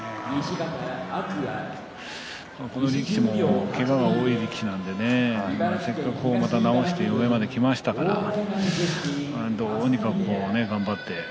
この力士もけがが多い力士なので治して、ここまできましたのでどうにか頑張って。